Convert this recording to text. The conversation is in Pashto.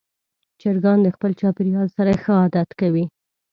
چرګان د خپل چاپېریال سره ښه عادت کوي.